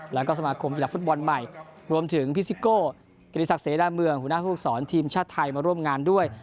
แล้วก็สมาคมกีฬาฟุตบอลใหม่รวมถึงพี่ซิโก้กิริสักเสดาเมืองหัวหน้าภูมิสอนทีมชาติไทยมาร่วมงานด้วย